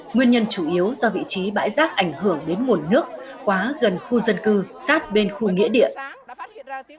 nguyên nhân chủ yếu do vị trí bãi rác ảnh hưởng đến nguồn nước quá gần khu dân cư sát bên khu nghĩa điện